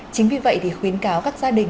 chính vì vậy thì khuyến cáo các gia đình